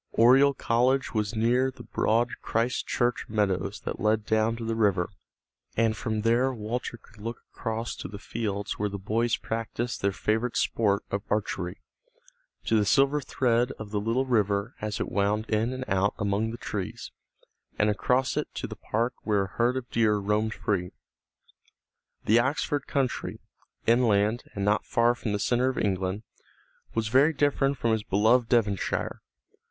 Oriel College was near the broad Christ Church meadows that led down to the river, and from there Walter could look across to the fields where the boys practiced their favorite sport of archery, to the silver thread of the little river as it wound in and out among the trees, and across it to the park where a herd of deer roamed free. The Oxford country, inland and not far from the centre of England, was very different from his beloved Devonshire.